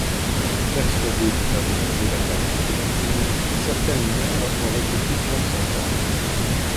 Persuadées de favoriser la carrière de leurs filles, certaines mères auraient été consentantes.